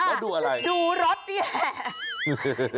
แล้วดูอะไรดูรถนี่แหละ